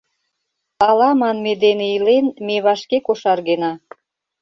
«Ала» манме дене илен, ме вашке кошаргена.